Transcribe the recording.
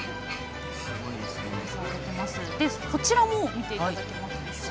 こちらも見ていただきましょう。